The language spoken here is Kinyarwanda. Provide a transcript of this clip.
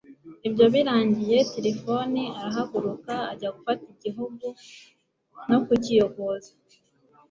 ibyo birangiye, tirifoni arahaguruka ajya gufata igihugu no kukiyogoza